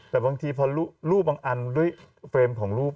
แต่บางทีพอรูปบางอันด้วยเฟรมของรูป